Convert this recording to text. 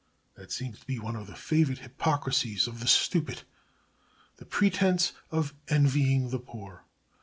That seems to be one of the favourite hypocrisies of the stupid, the pretence of envying the poor.